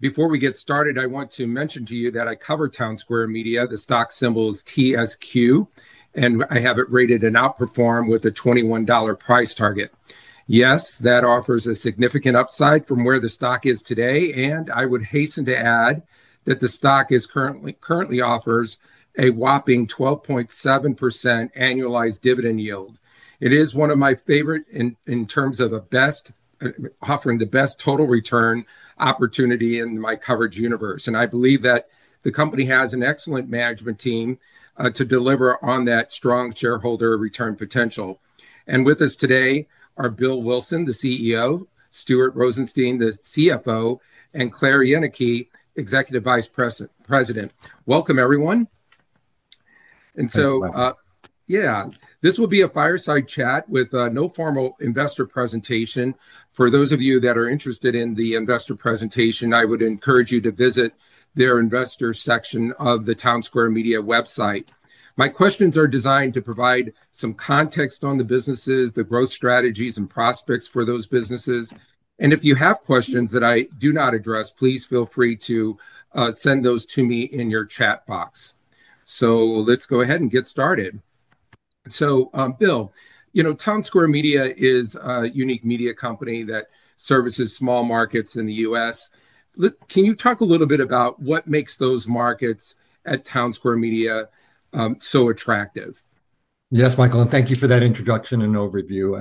Before we get started, I want to mention to you that I cover Townsquare Media. The stock symbol is TSQ and I have it rated and outperformed with a $21 price target. Yes, that offers a significant upside from where the stock is today. I would hasten to add that the stock currently offers a whopping 12.7% annualized dividend yield. It is one of my favorite in terms of the best offering, the best total return opportunity in my coverage universe. I believe that the company has an excellent management team to deliver on that strong shareholder return potential. With us today are Bill Wilson, the CEO, Stuart Rosenstein, the CFO, and Claire Yenicay, Executive Vice President. Welcome everyone. This will be a fireside chat with no formal investor presentation. For those of you that are interested in the investor presentation, I would encourage you to visit the investors section of the Townsquare Media website. My questions are designed to provide some context on the businesses, the growth strategies, and prospects for those businesses. If you have questions that I do not address, please feel free to send those to me in your chat box. Let's go ahead and get started. Bill, you know, Townsquare Media is a unique media company that services small markets in the U.S. Can you talk a little bit about what makes those markets at Townsquare Media so attractive? Yes, Michael, thank you for that introduction and overview.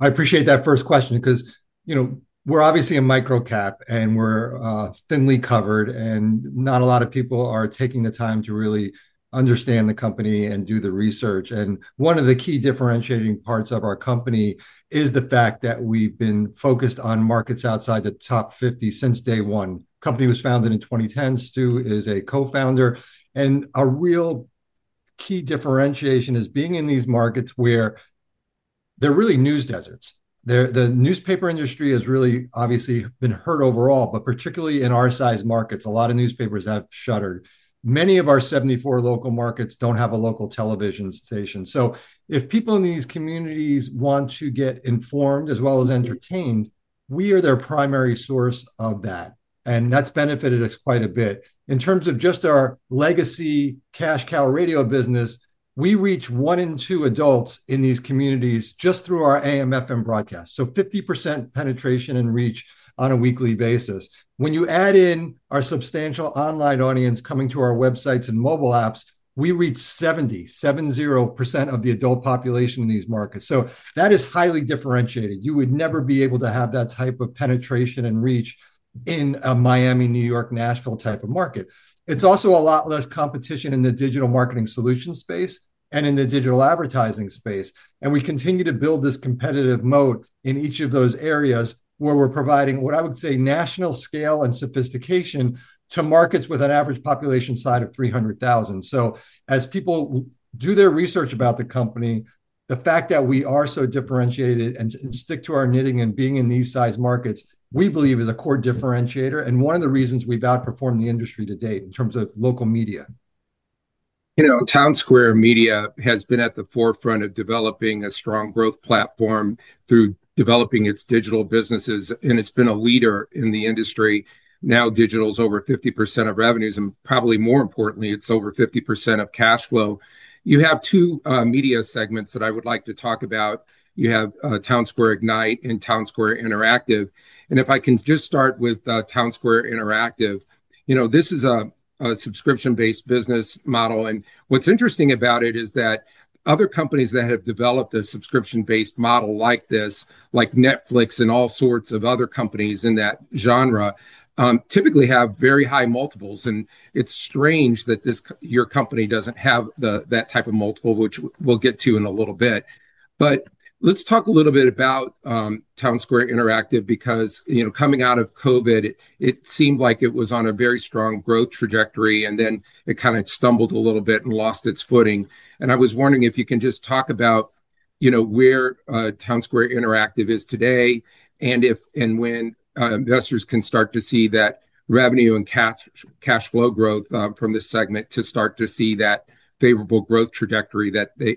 I appreciate that first question because, you know, we're obviously a micro cap and we're thinly covered and not a lot of people are taking the time to really understand the company and do the research. One of the key differentiating parts of our company is the fact that we've been focused on markets outside the top 50 since day one. The company was founded in 2010. Stu is a Co-founder and a real key differentiation is being in these markets where they're really news deserts. The newspaper industry has really obviously been hurt overall, but particularly in our size markets. A lot of newspapers have shuttered. Many of our 74 local markets don't have a local television station. If people in these communities want to get informed as well as entertained, we are their primary source of that. That's benefited us quite a bit in terms of just our legacy cash cow radio business. We reach one in two adults in these communities just through our AM/FM broadcast, so 50% penetration and reach on a weekly basis. When you add in our substantial online audience coming to our websites and mobile apps, we reach 77% of the adult population in these markets. That is highly differentiated. You would never be able to have that type of penetration and reach in a Miami, New York, Nashville type of market. There is also a lot less competition in the digital marketing solutions space and in the digital advertising space. We continue to build this competitive moat in each of those areas where we're providing what I would say is national scale and sophistication to markets with an average population size of 300,000. As people do their research about the company, the fact that we are so differentiated and stick to our knitting and being in these size markets, we believe is a core differentiator and one of the reasons we've outperformed the industry to date in terms of local media. You know, Townsquare Media has been at the forefront of developing a strong growth platform through developing its digital businesses. It has been a leader in the industry. Now digital is over 50% of revenues and probably more importantly, it's over 50% of cash flow. You have two media segments that I would like to talk about. You have Townsquare Ignite and Townsquare Interactive. If I can just start with Townsquare Interactive, you know, this is a subscription-based business model. What's interesting about it is that other companies that have developed a subscription-based model like this, like Netflix and all sorts of other companies in that genre, typically have very high multiples. It's strange that this, your company, doesn't have that type of multiple, which we'll get to in a little bit. Let's talk a little bit about Townsquare Interactive because, you know, coming out of COVID, it seemed like it was on a very strong growth trajectory and then it kind of stumbled a little bit and lost its footing. I was wondering if you can just talk about, you know, where Townsquare Interactive is today and if and when investors can start to see that revenue and cash flow growth from this segment to start to see that favorable growth trajectory that we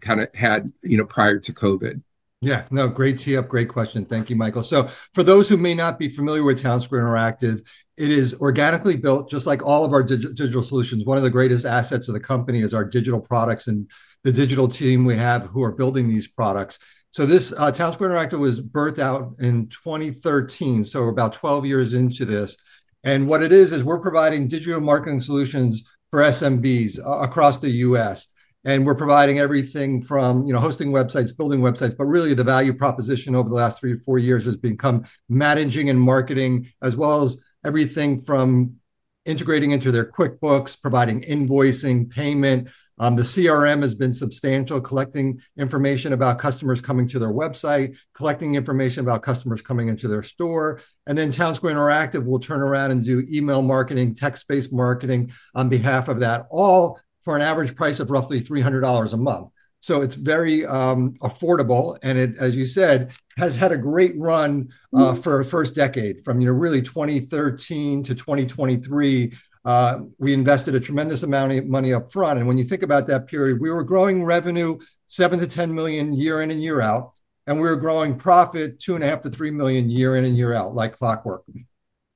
kind of had, you know, prior to COVID. Yeah, great question. Thank you, Michael. For those who may not be familiar with Townsquare Interactive, it is organically built, just like all of our digital solutions. One of the greatest assets of the company is our digital products and the digital team we have who are building these products. Townsquare Interactive was birthed out in 2013, so about 12 years into this. What it is, is we're providing digital marketing solutions for SMBs across the U.S. and we're providing everything from hosting websites, building websites. Really the value proposition over the last three or four years has become managing and marketing as well as everything from integrating into their QuickBooks, providing invoicing, payment. The CRM has been substantial. Collecting information about customers coming to their website, collecting information about customers coming into their store. Townsquare Interactive will turn around and do email marketing, text-based marketing on behalf of that. All for an average price of roughly $300 a month. It's very affordable. It, as you said, has had a great run for a first decade. From 2013 to 2023, we invested a tremendous amount of money up front. When you think about that period, we were growing revenue $7 million to $10 million year in and year out. We were growing profit $2.5 million to $3 million year in and year out, like clockwork,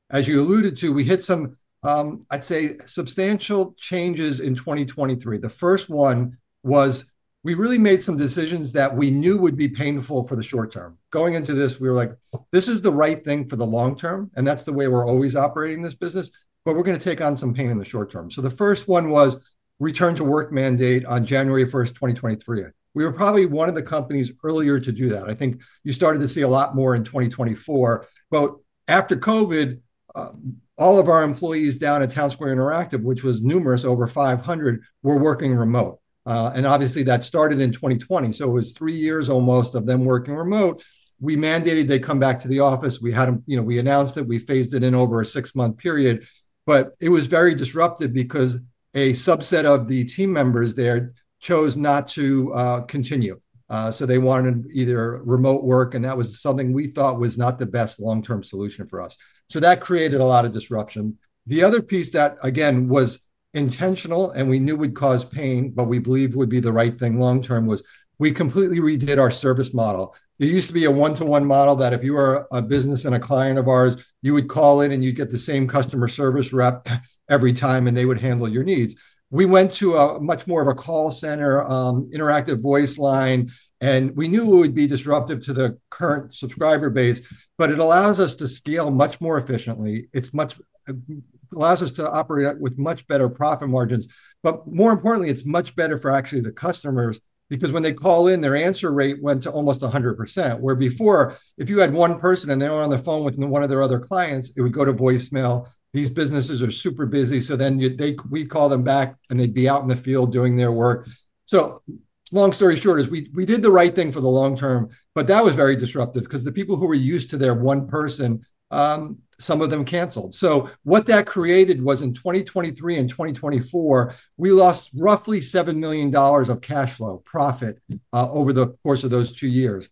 as you alluded to. We hit some, I'd say, substantial changes in 2023. The first one was we really made some decisions that we knew would be painful for the short term. Going into this, we were like, this is the right thing for the long term and that's the way we're always operating this business. We're going to take on some pain in the short term. The first one was return-to-office mandate on January 1st, 2023. We were probably one of the companies earlier to do that. I think you started to see a lot more in 2024. After COVID, all of our employees down at Townsquare Interactive, which was numerous, over 500, were working remote. Obviously that started in 2020. It was three years almost of them working remote. We mandated they come back to the office. We announced that and phased it in over a six-month period. It was very disruptive because a subset of the team members there chose not to continue. They wanted either remote work. That was something we thought was not the best long-term solution for us. That created a lot of disruption. The other piece that again was intentional and we knew would cause pain, but we believed would be the right thing long-term, was we completely redid our service model. There used to be a one-to-one model that if you are a business and a client of ours, you would call in and you'd get the same customer service rep every time and they would handle your needs. We went to much more of a call center service model and we knew it would be disruptive to the current subscriber base, but it allows us to scale much more efficiently. It allows us to operate with much better profit margins. More importantly, it's much better for the customers because when they call in, their answer rate went to almost 100%. Where before, if you had one person and they were on the phone with one of their other clients, it would go to voicemail. These businesses are super busy. We would call them back and they'd be out in the field doing their work. Long story short, we did the right thing for the long term. That was very disruptive because the people who were used to their one person, some of them canceled. What that created was in 2023 and 2024, we lost roughly $7 million of cash flow profit over the course of those two years.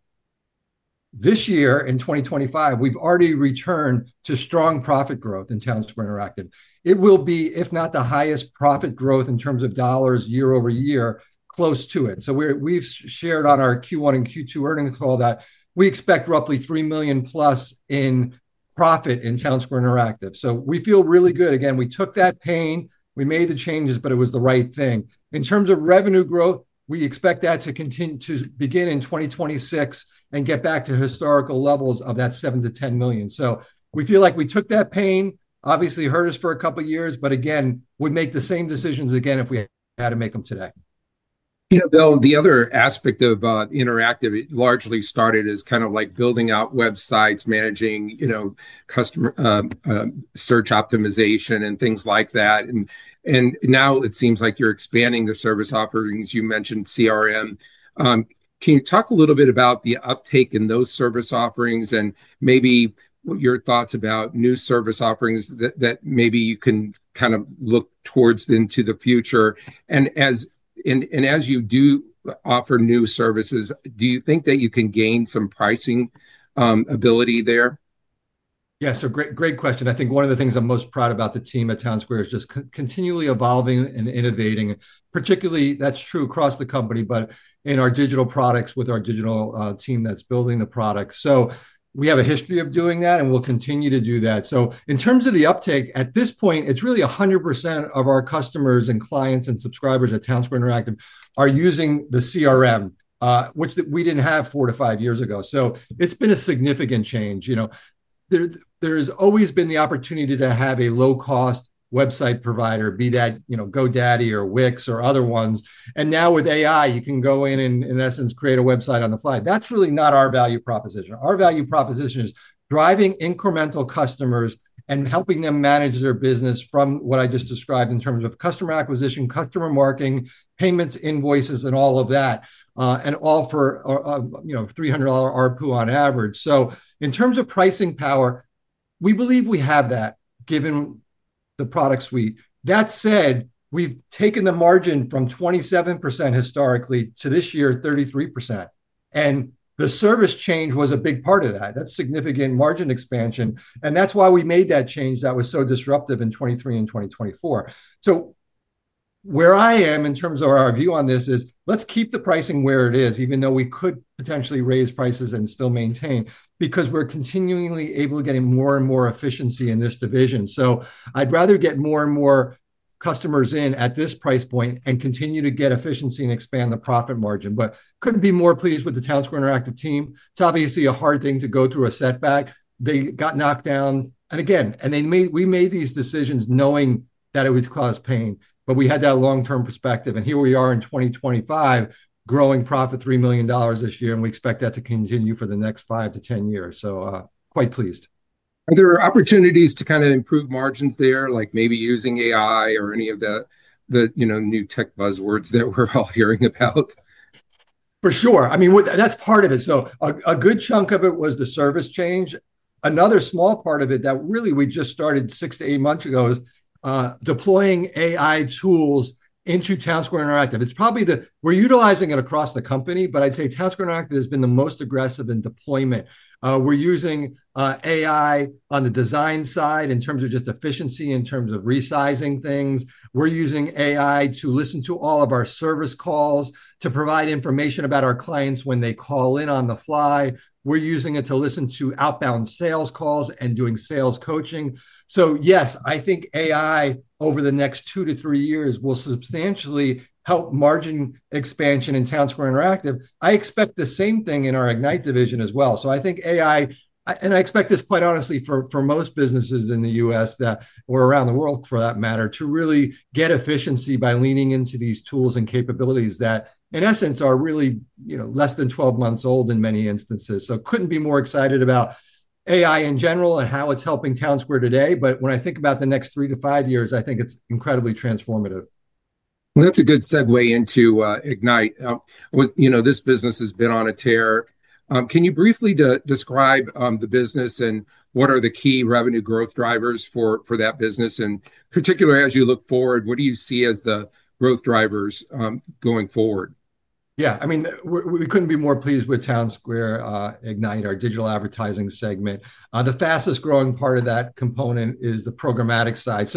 This year in 2025, we've already returned to strong profit growth in Townsquare Interactive. It will be, if not the highest profit growth in terms of dollars year-over-year, close to it. We've shared on our Q1 and Q2 earnings call that we expect roughly $3+ million in profit in Townsquare Interactive. We feel really good again. We took that pain, we made the changes, but it was the right thing in terms of revenue growth. We expect that to continue to begin in 2026 and get back to historical levels of that $7 million-$10 million. We feel like we took that pain, obviously hurt us for a couple of years, but again would make the same decisions again if we had to make them today. You know, Bill, the other aspect of Interactive largely started as kind of like building out websites, managing customer search optimization and things like that. Now it seems like you're expanding the service offerings. You mentioned CRM. Can you talk a little bit about the uptake in those service offerings and maybe your thoughts about new service offerings that maybe you can kind of look towards into the future, and as you do offer new services, do you think that you can gain some pricing ability there? Yeah. Great, great question. I think one of the things I'm most proud about, the team at Townsquare Media is just continually evolving and innovating, particularly that's true across the company, but in our digital products, with our digital team that's building the product. We have a history of doing that and we'll continue to do that. In terms of the uptake, at this point, it's really 100% of our customers and clients and subscribers at Townsquare Interactive are using the CRM, which we didn't have four to five years ago. It's been a significant change. There's always been the opportunity to have a low cost website provider, be that GoDaddy or Wix or other ones. Now with AI, you can go in and in essence create a website on the fly. That's really not our value proposition. Our value proposition is driving incremental customers and helping them manage their business. From what I just described in terms of customer acquisition, customer marketing, payments, invoices and all of that, and all for $300 ARPU on average. In terms of pricing power, we believe we have that given the product suite. That said, we've taken the margin from 27% historically to this year, 33% and the service change was a big part of that. That's significant margin expansion and that's why we made that change that was so disruptive in 2023 and 2024. Where I am in terms of our view on this is let's keep the pricing where it is. Even though we could potentially raise prices and still maintain because we're continually able to get more and more efficiency in this division. I'd rather get more and more customers in at this price point and continue to get efficiency and expand the profit margin. Couldn't be more pleased with the Townsquare Interactive team. It's obviously a hard thing to go through a setback. They got knocked down again and they made. We made these decisions knowing that it would cause pain. We had that long-term perspective and here we are in 2025, growing profit, $3 million this year. We expect that to continue for the next five to ten years. Quite pleased. Are there opportunities to kind of improve margins there, like maybe using AI or any of the, you know, new tech buzzwords that we're all hearing about? For sure, I mean that's part of it. A good chunk of it was the service change. Another small part of it that really we just started six to eight months ago is deploying AI tools into Townsquare Interactive. We're utilizing it across the company, but I'd say Townsquare Interactive has been the most aggressive in deployment. We're using AI on the design side in terms of just efficiency, in terms of resizing things. We're using AI to listen to all of our service calls, to provide information about our clients when they call in on the fly. We're using it to listen to outbound sales calls and doing sales coaching. Yes, I think AI over the next two to three years will substantially help margin expansion in Townsquare Interactive. I expect the same thing in our Ignite division as well. I think AI, and I expect this quite honestly for most businesses in the U.S. or around the world for that matter, to really get efficiency by leaning into these tools and capabilities that in essence are really less than 12 months old in many instances. I couldn't be more excited about AI in general and how it's helping Townsquare today. When I think about the next three to five years, I think it's incredibly transformative. That's a good segue into Ignite. You know, this business has been on a tear. Can you briefly describe the business and what are the key revenue growth drivers for that business? Particularly as you look forward, what do you see as the growth drivers going forward? Yeah, I mean, we couldn't be more pleased with Townsquare Ignite, our digital advertising segment. The fastest growing part of that component is the programmatic side.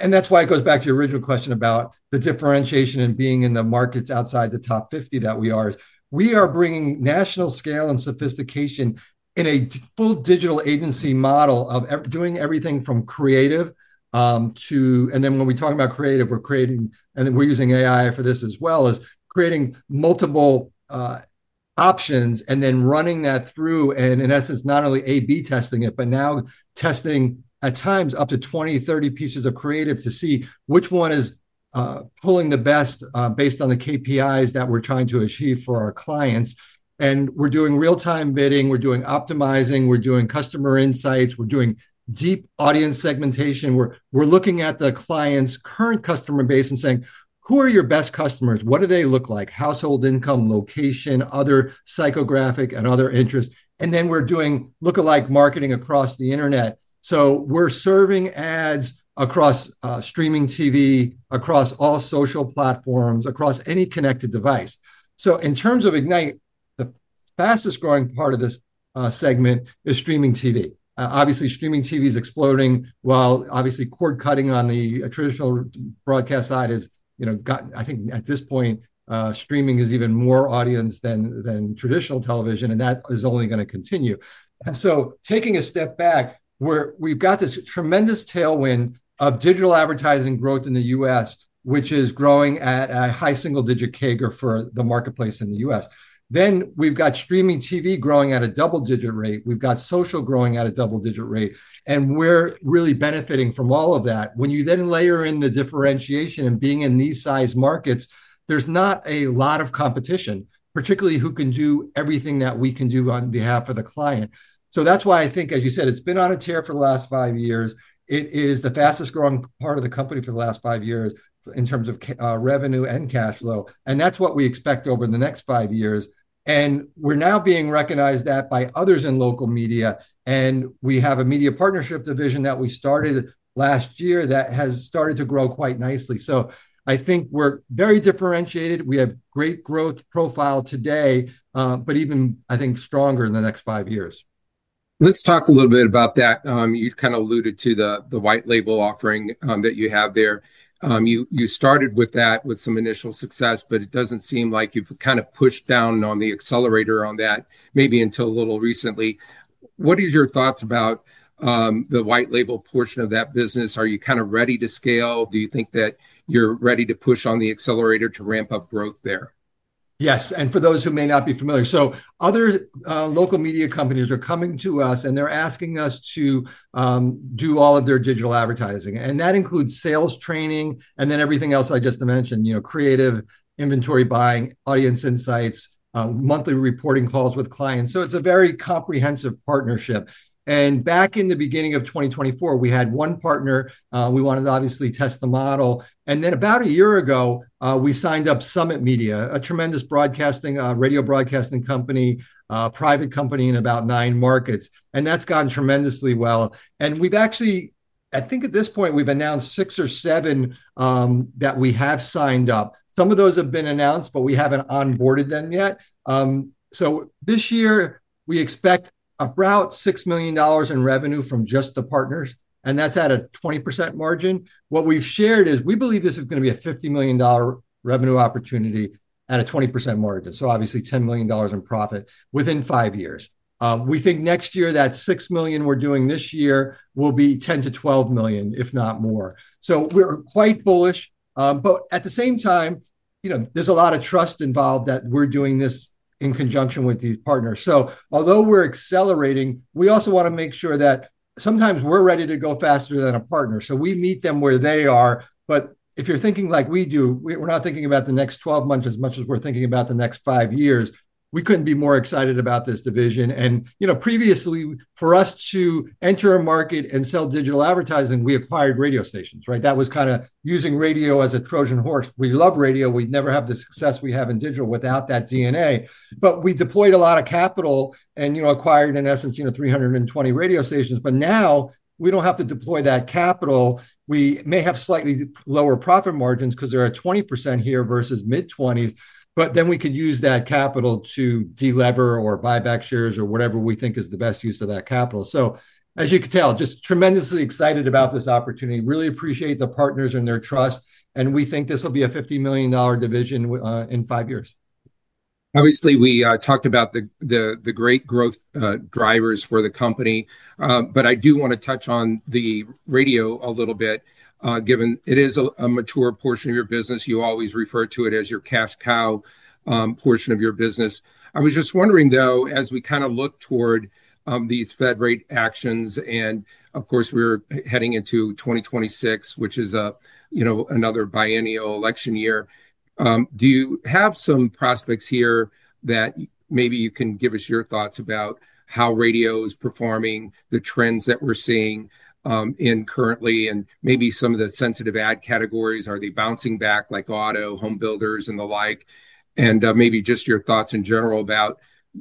That goes back to your original question about the differentiation and being in the markets outside the top 50 that we are. We are bringing national scale and sophistication in a full digital agency model of doing everything from creative to. When we talk about creative, we're creating and we're using AI for this as well as creating multiple options and then running that through and in essence, not only A/B testing it, but now testing at times up to 20, 30 pieces of creative to see which one is pulling the best based on the KPIs that we're trying to achieve for our clients. We're doing real time bidding, we're doing optimizing, we're doing customer insights, we're doing deep audience segmentation, we're looking at the client's current customer base and saying, who are your best customers? What do they look like, household income, location, other psychographic and other interests. We're doing lookalike marketing across the Internet. We're serving ads across streaming TV, across all social platforms, across any connected device. In terms of Ignite, the fastest growing part of this segment is streaming TV. Obviously, streaming TV is exploding while cord cutting on the traditional broadcast side has, you know, got, I think at this point streaming is even more audience than traditional television and that is only going to continue. Taking a step back, we've got this tremendous tailwind of digital advertising growth in the U.S. which is growing at a high single digit CAGR for the marketplace in the U.S. Then we've got streaming TV growing at a double digit rate. We've got social growing at a double digit rate and we're really benefiting from all of that. When you then layer in the differentiation and being in these size markets, there's not a lot of competition, particularly who can do everything that we can do on behalf of the client. That's why I think, as you said, it's been on its tear for the last five years. It is the fastest growing part of the company for the last five years in terms of revenue and cash flow. That's what we expect over the next five years. We're now being recognized by others in local media. We have a media partnership division that we started last year that has started to grow quite nicely. I think we're very differentiated. We have great growth profile today, but even I think stronger in the next five years. Let's talk a little bit about that. You kind of alluded to the white-label digital advertising partnerships that you have there. You started with that with some initial success, but it doesn't seem like you've kind of pushed down on the accelerator on that maybe until a little recently. What is your thoughts about the white-label portion of that business? Are you kind of ready to scale? Do you think that you're ready to push on the accelerator to ramp up growth there? Yes. For those who may not be familiar, other local media companies are coming to us and they're asking us to do all of their digital advertising, and that includes sales training and then everything else I just mentioned, creative inventory, buying, audience insights, monthly reporting calls with clients. It is a very comprehensive partnership. Back in the beginning of 2024, we had one partner. We wanted to obviously test the model. About a year ago, we signed up SummitMedia, a tremendous radio broadcasting company, private company in about nine markets. That has gone tremendously well. I think at this point we've announced six or seven that we have signed up. Some of those have been announced, but we haven't onboarded them yet. This year we expect about $6 million in revenue from just the partners, and that's at a 20% margin. What we've shared is we believe this is going to be a $50 million revenue opportunity at a 20% margin, so obviously $10 million in profit within five years. We think next year that $6 million we're doing this year will be $10 million-$12 million, if not more. We're quite bullish. At the same time, there's a lot of trust involved that we're doing this in conjunction with these partners. Although we're accelerating, we also want to make sure that sometimes we're ready to go faster than a partner, so we meet them where they are. If you're thinking like we do, we're not thinking about the next 12 months as much as we're thinking about the next five years. We couldn't be more excited about this division. Previously, for us to enter a market and sell digital advertising, we acquired radio stations. That was kind of using radio as a Trojan horse. We love radio. We'd never have the success we have in digital without that DNA. We deployed a lot of capital and acquired, in essence, 320 radio stations. Now we don't have to deploy that capital. We may have slightly lower profit margins because they're at 20% here versus mid-20s, but then we could use that capital to delever or buy back shares or whatever we think is the best use of that capital. As you can tell, just tremendously excited about this opportunity. Really appreciate the partners and their trust. We think this will be a $50 million division in five years. Obviously we talked about the great growth drivers for the company, but I do want to touch on the radio a little bit. Given it is a mature portion of your business, you always refer to it as your cash cow portion of your business. I was just wondering, as we kind of look toward these Fed rate actions, and of course we're heading into 2026, which is another biennial election year, do you have some prospects here that maybe you can give us your thoughts about how radio is performing, the trends that we're seeing currently, and maybe some of the sensitive ad categories, are they bouncing back like auto, home builders, and the like? Maybe just your thoughts in general about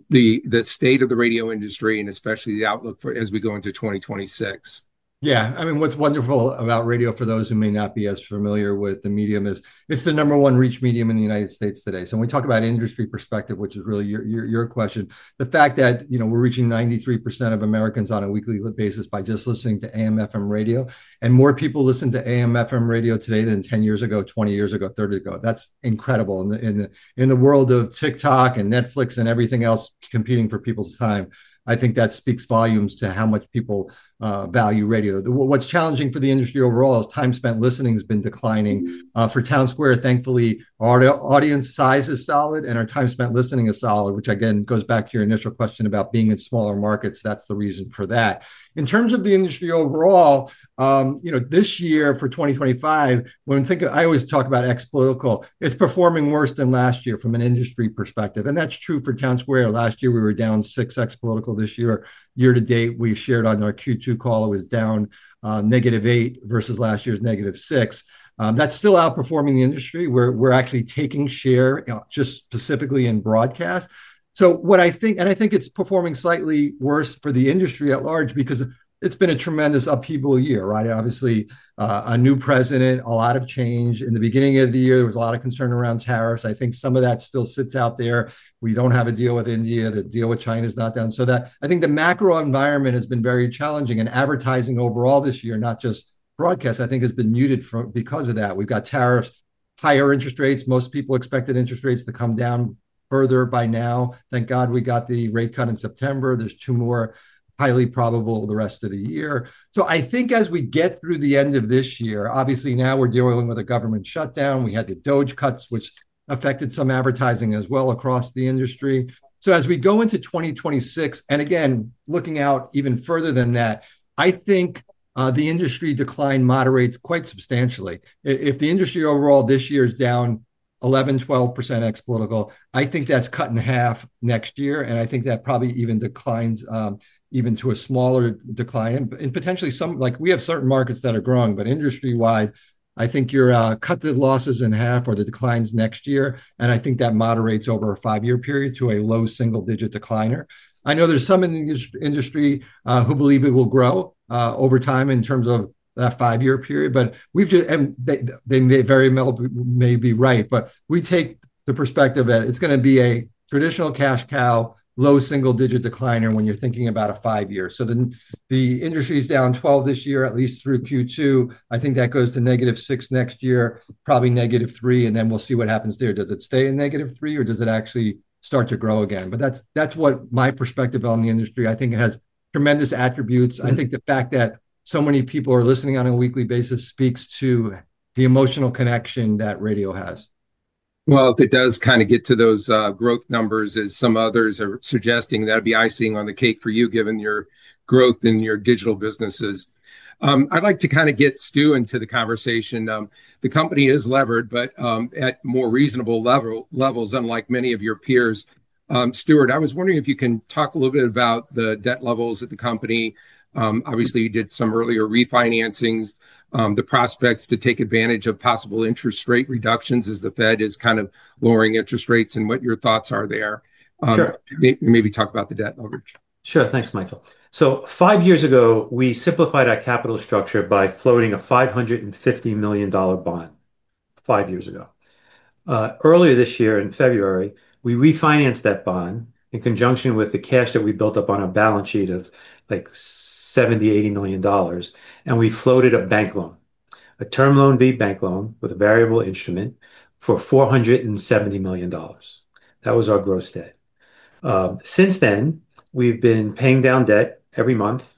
the state of the radio industry and especially the outlook as we go into 2026. Yeah, I mean, what's wonderful about radio for those who may not be as familiar with the medium is it's the number one reach medium in the U.S. today. When we talk about industry perspective, which is really your question, the fact that we're reaching 93% of Americans on a weekly basis by just listening to AM/FM radio. More people listen to AM/FM radio today than 10 years ago, 20 years ago, 30 years ago, that's incredible. In the world of TikTok and Netflix and everything else competing for people's time, I think that speaks volumes to how much people value radio. What's challenging for the industry overall is time spent listening has been declining. For Townsquare, thankfully our audience size is solid and our time spent listening is solid, which again goes back to your initial question about being in smaller markets. That's the reason for that. In terms of the industry overall this year for 2025, when I think I always talk about ex-political, it's performing worse than last year from an industry perspective and that's true for Townsquare. Last year we were down 6% ex-political, this year year to date we shared on our Q2 call it was down -8% versus last year's -6%. That's still outperforming the industry where we're actually taking share just specifically in broadcast. I think it's performing slightly worse for the industry at large because it's been a tremendous upheaval year. Obviously a new president, a lot of change. In the beginning of the year there was a lot of concern around tariffs. I think some of that still sits out there. We don't have a deal with India, the deal with China is not done. I think the macro environment has been very challenging and advertising overall this year, not just broadcast, I think has been muted because of that. We've got tariffs, higher interest rates. Most people expected interest rates to come down further by now. Thank God we got the rate cut in September. There's two more highly probable the rest of the year. I think as we get through the end of this year, obviously now we're dealing with a government shutdown. We had two doge cuts which affected some advertising as well across the industry. As we go into 2026 and again looking out even further than that, I think the industry decline moderates quite substantially. If the industry overall this year is down 11%, 12% ex-political, I think that's cut in half next year, and I think that probably even declines even to a smaller decline and potentially some, like we have certain markets that are growing, but industry wide I think you cut the losses in half or the declines next year, and I think that moderates over a five year period to a low single digit decliner. I know there's some in the industry who believe it will grow over time in terms of that five-year period, but we've just, they very well may be right, but we take the perspective that it's going to be a traditional cash cow, low single digit decliner when you're thinking about a five-year. So then the industry is down 12% this year at least through Q2. I think that goes to negative 6% next year, probably negative 3%, and then we'll see what happens there. Does it stay in negative 3% or does it actually start to grow again? That's what my perspective on the industry is. I think it has tremendous attributes. I think the fact that so many people are listening on a weekly basis speaks to the emotional connection that radio has. If it does kind of get to those growth numbers as some others are suggesting, that'd be icing on the cake for you given your growth in your digital businesses. I'd like to kind of get Stu into the conversation. The company is levered but at more reasonable levels unlike many of your peers. Stuart, I was wondering if you can talk a little bit about the debt levels at the company. Obviously you did some earlier refinancings, the prospects to take advantage of possible interest rate reductions as the Fed is kind of lowering interest rates and what your thoughts are there maybe talk about the debt. Sure. Thanks, Michael. Five years ago we simplified our capital structure by floating a $550 million bond. Five years ago, earlier this year, in February, we refinanced that bond in conjunction with the cash that we built up on our balance sheet of like $70 million, $80 million. We floated a bank loan, a term loan, B bank loan with a variable instrument for $470 million. That was our gross debt. Since then we've been paying down debt every month.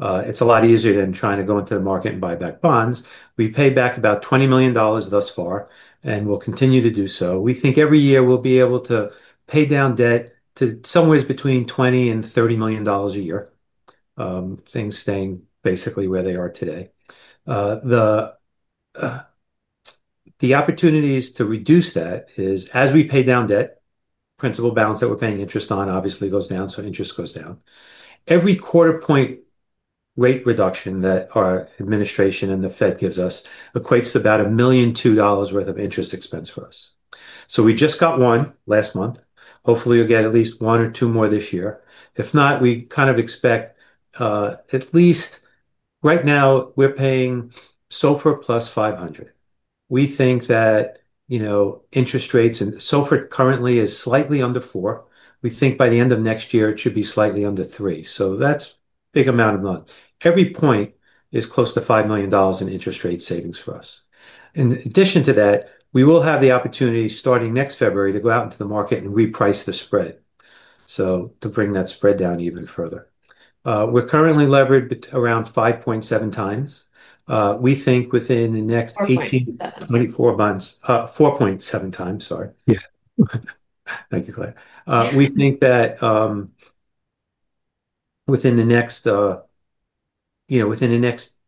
It's a lot easier than trying to go into the market and buy back bonds. We paid back about $20 million thus far and we'll continue to do so. We think every year we'll be able to pay down debt to somewhere between $20 million and $30 million a year, things staying basically where they are today. The opportunities to reduce that is as we pay down debt, principal balance that we're paying interest on obviously goes down, so interest goes down. Every quarter point rate reduction that our administration and the Fed gives us equates to about $1.2 million worth of interest expense for us. We just got one last month. Hopefully you'll get at least one or two more this year. If not, we kind of expect at least right now we're paying SOFR plus 500. We think that interest rates and SOFR currently is slightly under four. We think by the end of next year it should be slightly under three. That's a big amount of money. Every point is close to $5 million in interest rate savings for us. In addition to that, we will have the opportunity starting next February to go out into the market and reprice the spread to bring that spread down even further. We're currently levered around 5.7X. We think within the next 18 to 24 months, 4.7X. Sorry. Yeah, thank you, Claire. We think that within the next, you know, within the next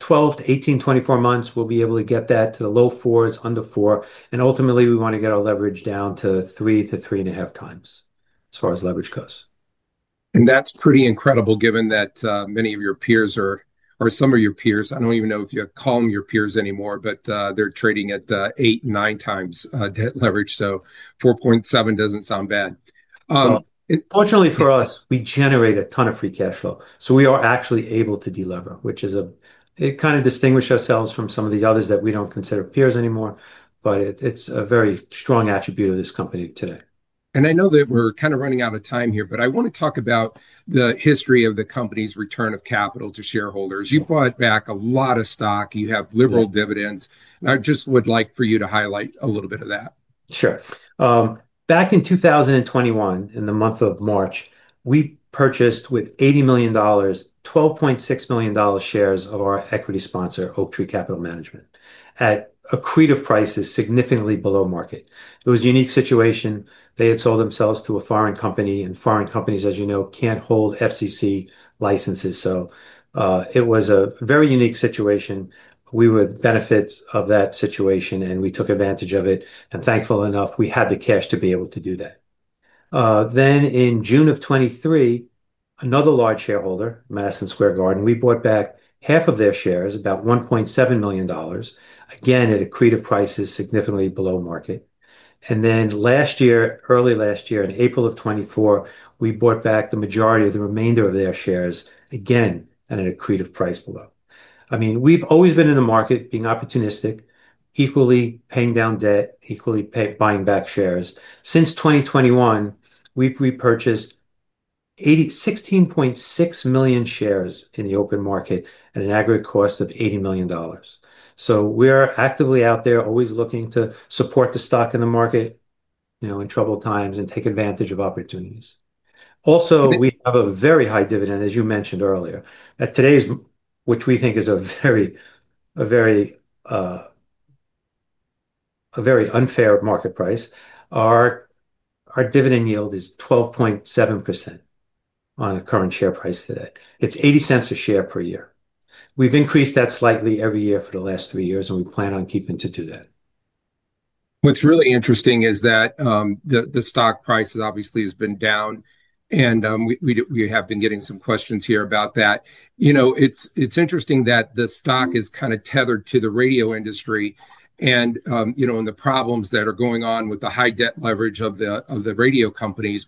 12 to 18 to 24 months, we'll be able to get that to the low fours, under four. Ultimately we want to get our leverage down to 3X-3.5X as far as leverage goes. That's pretty incredible given that many of your peers are, or some of your peers, I don't even know if you call them your peers anymore, but they're trading at 8X, 9X debt leverage. 4.7X doesn't sound bad. Fortunately for us, we generate a ton of free cash flow, so we are actually able to delever, which kind of distinguished ourselves from some of the others that we don't consider peers anymore. It's a very strong attribute of this company today. I know that we're kind of running out of time here, but I want to talk about the history of the company's return of capital to shareholders. You bought back a lot of stock. You have liberal dividends, and I just would like for you to highlight a little bit of that. Sure. Back in 2021, in the month of March, we purchased, with $80 million, $12.6 million shares of our equity sponsor, Oaktree Capital Management, at accretive prices, significantly below market. It was a unique situation. They had sold themselves to a foreign company, and foreign companies, as you know, can't hold FCC licenses. It was a very unique situation. We were beneficiaries of that situation, and we took advantage of it and, thankfully enough, we had the cash to be able to do that. In June of 2023, another large shareholder, Madison Square Garden, we bought back half of their shares, about $1.7 million, again at accretive prices, significantly below market. Last year, early last year, in April of 2024, we bought back the majority of the remainder of their shares, again at an accretive price below. I mean, we've always been in a market being opportunistic, equally paying down debt, equally buying back shares. Since 2021, we've repurchased, 16.6 million shares in the open market at an aggregate cost of $80 million. We're actively out there, always looking to support the stock in the market in troubled times and take advantage of opportunities. Also, we have a very high dividend, as you mentioned earlier, at today's, which we think is a very, a very, a very unfair market price. Our dividend yield is 12.7% on the current share price. Today it's $0.80 a share per year. We've increased that slightly every year for the last three years, and we plan on keeping to do that. What's really interesting is that the stock price obviously has been down and we have been getting some questions here about that. It's interesting that the stock is kind of tethered to the radio industry and the problems that are going on with the high debt leverage of the radio companies.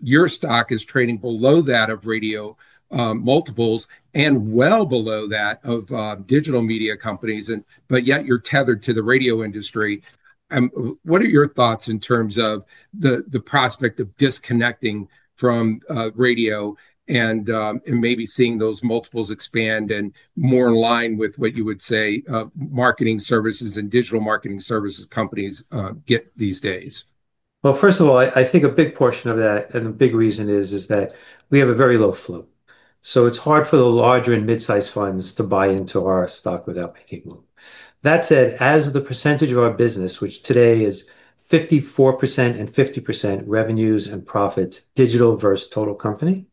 Your stock is trading below that of radio multiples and well below that of digital media companies, yet you're tethered to the radio industry. What are your thoughts in terms of the prospect of disconnecting from radio and maybe seeing those multiples expand and more in line with what you would say marketing services and digital marketing services companies get these days? First of all, I think a big portion of that and the big reason is that we have a very low float. It's hard for the larger and mid-sized funds to buy into our stock without picking. That said, as the percentage of our business, which today is 54% and 50% revenues and profits digital versus total company,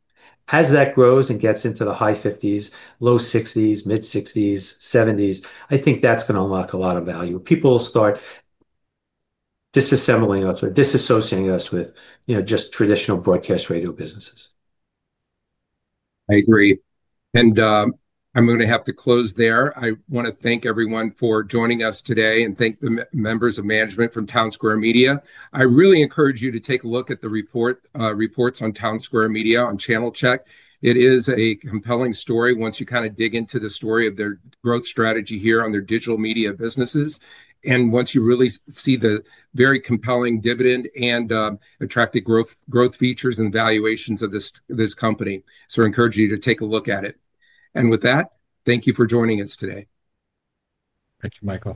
as that grows and gets into the high 50s, low 60s, mid 60s, 70s, I think that's going to unlock a lot of value. People start disassembling us or disassociating us with just traditional broadcast radio businesses. I agree and I'm going to have to close there. I want to thank everyone for joining us today and thank the members of management from Townsquare Media. I really encourage you to take a look at the reports on Townsquare Media on Channelchek. It is a compelling story. Once you kind of dig into the story of their growth strategy here on their digital media businesses and once you really see the very compelling dividend and attractive growth features and valuations of this company. I encourage you to take a look at it. With that, thank you for joining us today. Thank you, Michael.